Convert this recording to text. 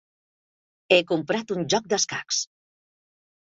He comprat un joc d'escacs.